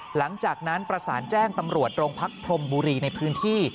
หลังจากนั้นประสานแจ้งตำรวจโรงพักพรมบุรีในพื้นที่